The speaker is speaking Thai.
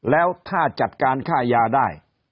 แล้วถ้าจัดการค่ายาได้